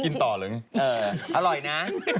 กินต่อหรืออย่างนี้เอออร่อยนะ